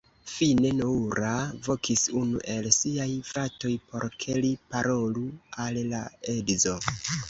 Fine, Noura vokis unu el siaj fratoj, por ke li parolu al la edzo.